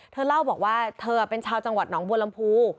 เธอเล่าบอกว่าเธอเป็นชาวจังหวัดหนองบัวลำพู